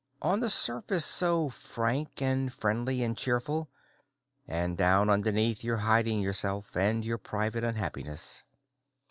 "On the surface so frank and friendly and cheerful, and down underneath you're hiding yourself and your private unhappiness."